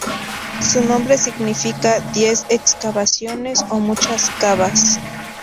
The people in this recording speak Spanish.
Su nombre significa "diez excavaciones" o "muchas cavas".